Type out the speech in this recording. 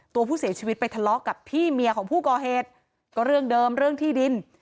ตัวผู้เสียชีวิตไปทะเลาะกับพี่เมียของผู้ก่อเหตุก็เรื่องเดิมเรื่องที่ดิน